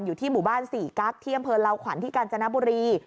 อยู่ที่หมู่บ้านสี่กั๊กที่อำเภอลาวขวัญที่กาญจนบุรี